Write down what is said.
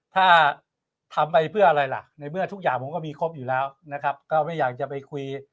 ถ้าทำไปเพื่ออะไรล่ะในเมื่อทุกอย่างผมก็มีครบอยู่แล้วนะครับก็ไม่อยากจะไปคุย